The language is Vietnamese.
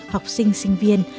học sinh sinh viên